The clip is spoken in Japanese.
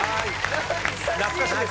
懐かしいですか？